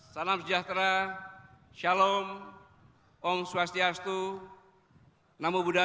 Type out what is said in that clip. berserta ibu mufidah hisupala